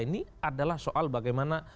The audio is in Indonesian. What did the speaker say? ini adalah soal bagaimana